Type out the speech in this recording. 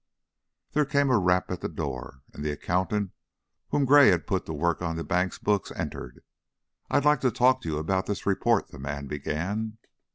There came a rap at the door, and the accountant whom Gray had put to work upon the bank's books entered. "I'd like to talk to you about this report," the man began.